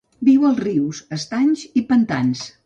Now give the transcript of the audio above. Viu als rius, estanys i pantans.